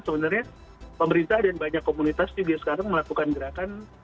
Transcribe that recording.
sebenarnya pemerintah dan banyak komunitas juga sekarang melakukan gerakan